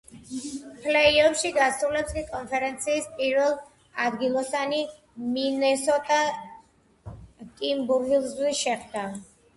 ფლეი-ოფში გასულებს კი კონფერენციის პირველ ადგილოსანი მინესოტა ტიმბერვულვზი შეხვდა.